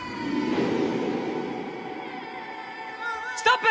ストップ！